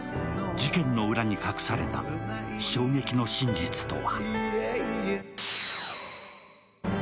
事件の裏に隠された衝撃の真実とは？